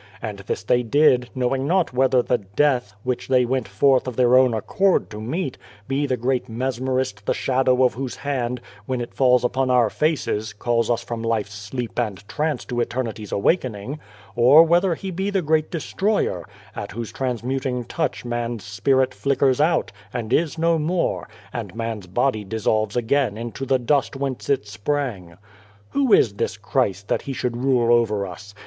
And this they did, knowing not whether the death, which they went forth of their own accord to meet, be the Great Mesmerist, the Shadow of whose hand, when it falls upon our faces, calls us from Life's sleep and trance to Eternity's awaken ing ; or whether he be the Great Destroyer, at whose transmuting touch man's spirit flickers out, and is no more, and man's body dissolves again into the dust whence it sprang. "Who is this Christ that He should rule over us